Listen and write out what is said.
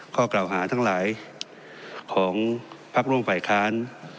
ข้อกล่าวหาทั้งหลายของพักร่วมฝ่ายค้าน